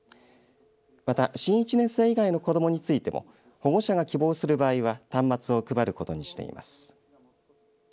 また、新１年生以外の子どもについても保護者が希望する場合は端末を配ることにしています。